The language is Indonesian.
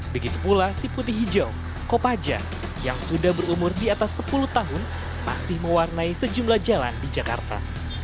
begitu pula si putih hijau kopaja yang sudah berumur di atas sepuluh tahun masih mewarnai sejumlah jalan di jakarta